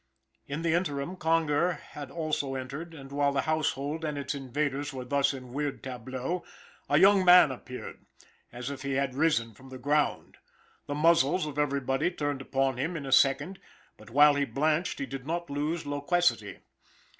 In the interim Conger had also entered, and while the household and its invaders were thus in weird tableaux, a young man appeared, as if he had risen from the ground. The muzzles of everybody turned upon him in a second; but, while he blanched, he did not lose loquacity.